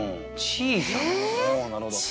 「小さな」。